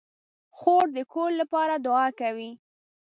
خور د کور لپاره دعا کوي.